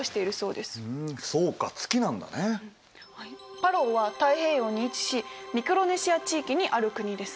パラオは太平洋に位置しミクロネシア地域にある国です。